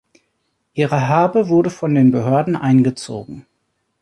Ihre Habe wurde von den Behörden eingezogen.